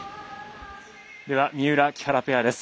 三浦、木原ペアです。